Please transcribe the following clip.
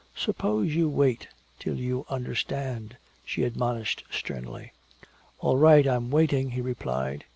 "Suppose you wait till you understand," she admonished sternly. "All right, I'm waiting," he replied.